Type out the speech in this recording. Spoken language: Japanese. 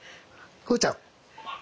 「くうちゃん」。